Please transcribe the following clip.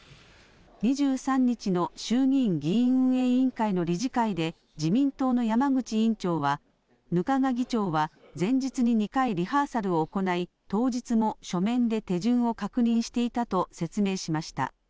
２３日の衆議院議院運営委員会の理事会で自民党の山口委員長は、額賀議長は前日に２回リハーサルを行い、当日も書面で手順を確認していたと説明しました。